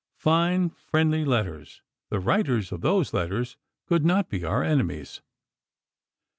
Fine, friendly letters. The writers of those letters could not be our enemies."